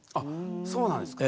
そうなんですか。